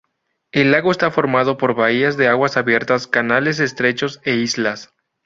El lago está formado por bahías de aguas abiertas, canales estrechos e islas.